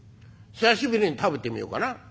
久しぶりに食べてみようかな？